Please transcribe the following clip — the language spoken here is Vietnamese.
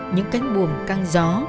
những cánh buồm căng gió